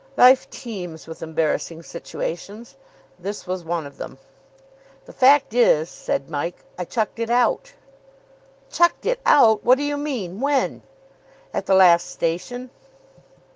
Life teems with embarrassing situations. This was one of them. "The fact is," said Mike, "I chucked it out." "Chucked it out! what do you mean? When?" "At the last station."